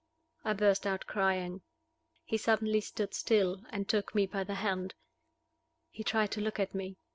I burst out crying. He suddenly stood still, and took me by the hand. He tried to look at me.